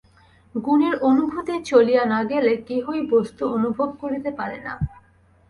গুণের অনুভূতি চলিয়া না গেলে কেহই বস্তু অনুভব করিতে পারে না।